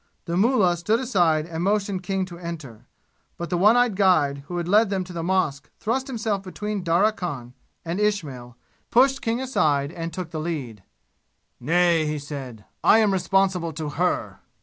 The mullah stood aside and motioned King to enter. But the one eyed guide who had led them to the mosque thrust himself between Darya Khan and Ismail, pushed King aside and took the lead. "Nay!" he said, "I am responsible to her."